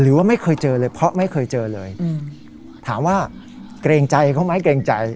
หรือว่าไม่เคยเจอเลยเพราะไม่เคยเจอเลยถามว่าเกรงใจเขาไหมเกรงใจ